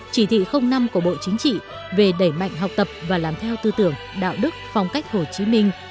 chỉ thị năm của bộ chính trị về đẩy mạnh học tập và làm theo tư tưởng đạo đức phong cách hồ chí minh